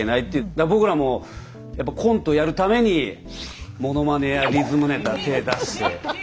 僕らもやっぱコントやるためにものまねやリズムネタ手出して。